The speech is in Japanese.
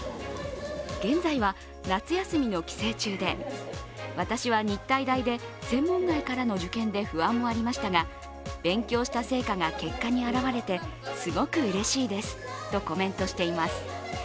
現在は夏休みの帰省中で、私は日体大で専門外からの受験で不安もありましたが勉強した成果が結果に表れてすごくうれしいですとコメントしています。